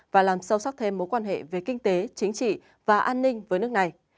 và làm sâu sắc thêm mối quan hệ về kinh tế chính trị và an ninh với nước này